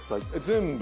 全部？